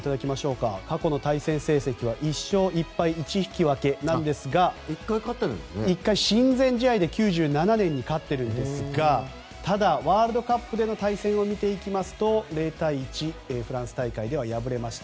過去の対戦成績は１勝１敗１引き分けなんですが１回、親善試合で９７年に勝っているんですがただ、ワールドカップでの対戦だと０対１でフランス大会では敗れました。